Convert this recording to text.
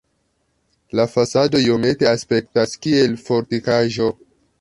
La fasado iomete aspektas kiel fortikaĵo.